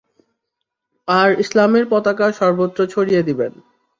আর ইসলামের পতাকা সর্বত্র ছড়িয়ে দিবেন।